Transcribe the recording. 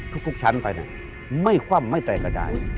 ทุกชั้นไปไหนไม่คว่ำไม่แตกก็ได้